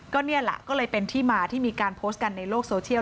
ก็นี่แหละก็เลยเป็นที่มาที่มีการโพสต์กันในโลกโซเชียล